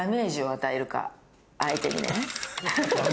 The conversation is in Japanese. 相手にね。